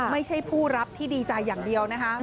ไม่ใช่ผู้รับที่ดีใจอย่างเดียวนะคะ